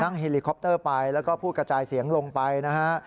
เฮลิคอปเตอร์ไปแล้วก็พูดกระจายเสียงลงไปนะฮะ